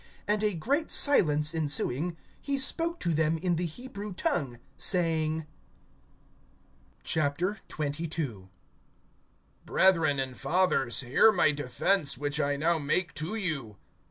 And a great silence ensuing, he spoke to them in the Hebrew tongue, saying: XXII. BRETHREN, and fathers, hear my defense, which I now make to you.